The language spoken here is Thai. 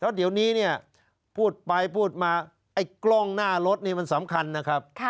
เดี๋ยวนี้เนี่ยพูดไปพูดมาไอ้กล้องหน้ารถนี่มันสำคัญนะครับ